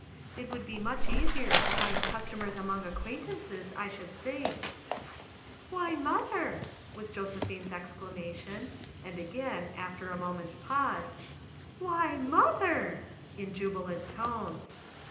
It would be much easier to FOUR MOTHERS AT CHAUTAUQUA 311 find customers among acquaintances, I should think." "Why, Mother!" was Josephine's exclama tion; and again, after a moment's pause, ''Why, Mother!" in jubilant tones.